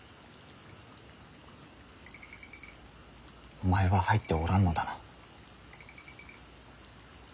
お前は入っておらんのだな。